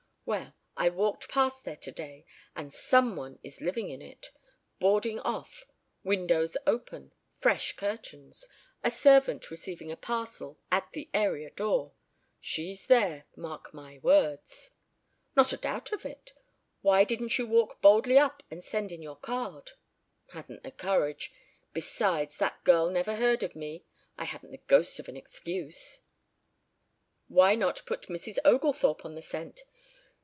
Well, I walked past there today, and some one is living in it. Boarding off. Windows open. Fresh curtains. A servant receiving a parcel at the area door. She's there, mark my words." "Not a doubt of it. Why didn't you walk boldly up and send in your card?" "Hadn't the courage. Besides, that girl never heard of me. I hadn't the ghost of an excuse." "Why not put Mrs. Oglethorpe on the scent?